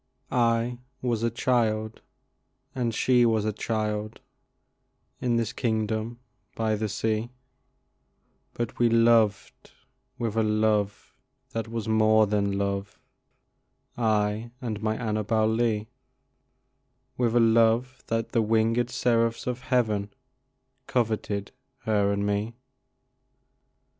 I was a child, and she was a child, In this kingdom by the sea, But we loved with a love that was more than love, I and my Annabel Lee, With a love that the winged seraphs in heaven Coveted her and me.